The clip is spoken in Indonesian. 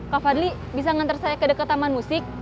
kak fadli bisa ngantar saya ke dekat taman musik